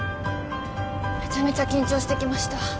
めちゃめちゃ緊張してきました